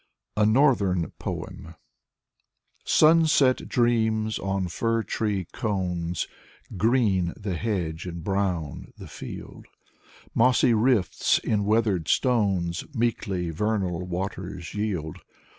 159 i6o Nikolai Kluyev I A NORTHERN POEM Sunset dreams on fir tree cones, Green — the hedge, and brown — the field ; Mossy rifts in weathered stones Meekly vernal waters yield.